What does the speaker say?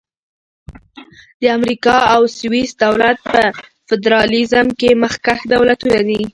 د امریکا او سویس دولت په فدرالیزم کښي مخکښ دولتونه دي.